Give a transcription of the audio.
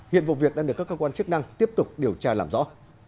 hiện vụ việc đang được các cơ quan chức năng tiếp tục điều tra làm rõ